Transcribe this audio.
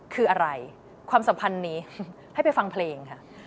คืออะไรความสัมพันธ์นี้ให้ไปฟังเพลงค่ะ